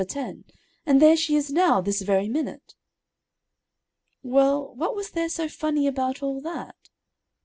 10, and there she is now, this very minute." "Well, what was there so funny about all that?"